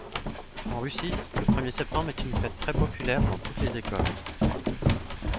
En Russie, le premier septembre est une fête très populaire dans toutes les écoles.